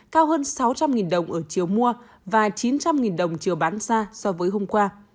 cao hơn sáu trăm linh đồng ở chiều mua và chín trăm linh đồng chiều bán ra so với hôm qua